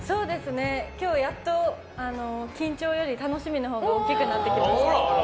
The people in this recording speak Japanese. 今日やっと緊張より楽しみのほうが大きくなってきました。